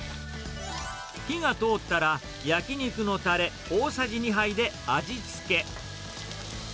火が通ったら、焼き肉のたれ大さじ２杯で味付け。